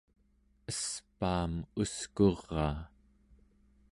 espaam uskuraa